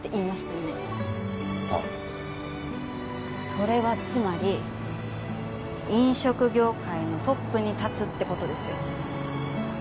それはつまり飲食業界のトップに立つって事ですよ。